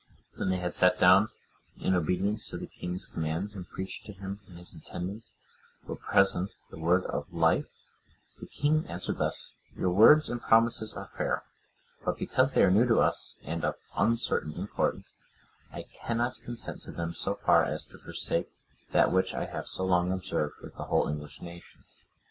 When they had sat down, in obedience to the king's commands, and preached to him and his attendants there present the Word of life, the king answered thus: "Your words and promises are fair, but because they are new to us, and of uncertain import, I cannot consent to them so far as to forsake that which I have so long observed with the whole English nation.